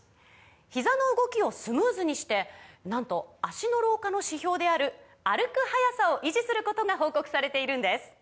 ひざの動きをスムーズにしてなんと脚の老化の指標である歩く速さを維持することが報告されているんです